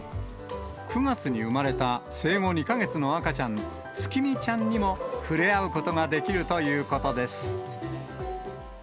９月に生まれた生後２か月の赤ちゃん、つきみちゃんにも触れ合うことができるということです。